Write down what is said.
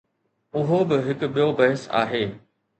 اهو به هڪ ٻيو بحث آهي.